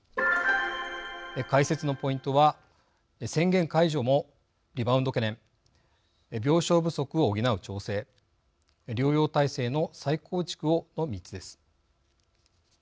解説のポイントは宣言解除もリバウンド懸念病床不足を補う調整療養体制の再構築をの３つです。